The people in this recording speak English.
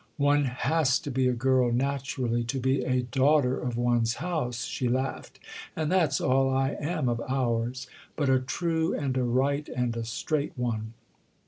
"One has to be a girl, naturally, to be a daughter of one's house," she laughed; "and that's all I am of ours—but a true and a right and a straight one."